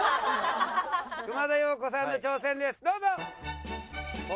熊田曜子さんの挑戦ですどうぞ。